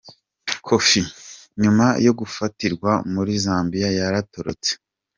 Kofi Nyuma yo gufatirwa muri Zambiya yaratorotse